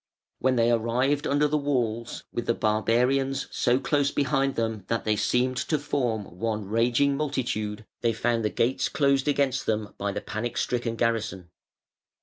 When they arrived under the walls, with the barbarians so close behind them that they seemed to form one raging multitude, they found the gates closed against them by the panic stricken garrison.